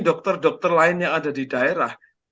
dokter dokter lain yang ada di daerah